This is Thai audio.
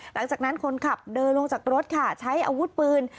หลังจากนั้นคนขับเดินลงจากรถค่ะใช้อาวุธปืน